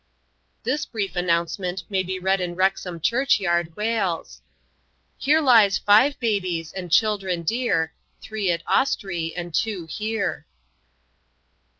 This brief announcement may be read in Wrexham church yard, Wales: "Here lies five babies and children dear Three at Owestry and two here."